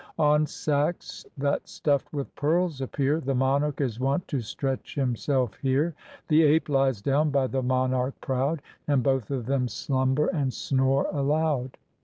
On sacks that stuffed with pearls appear The monarch is wont to stretch himself here; The ape lies down by the monarch proud, And both of them slumber and snore aloud.